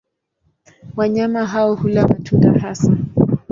Wanyama hao hula matunda hasa.